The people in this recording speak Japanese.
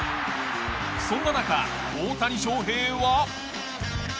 そんな中大谷翔平は。